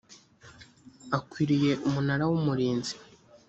akwiriye umunara w umurinzi